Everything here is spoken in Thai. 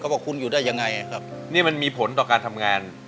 บอกคุณอยู่ได้ยังไงครับนี่มันมีผลต่อการทำงาน